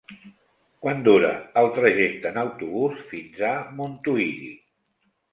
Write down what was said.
Quant dura el trajecte en autobús fins a Montuïri?